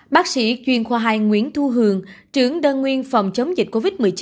bác sĩ chuyên khoa hai nguyễn thu hường trưởng đơn nguyên phòng chống dịch covid một mươi chín